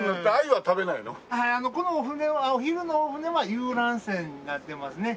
はいお昼のお船は遊覧船になってますね。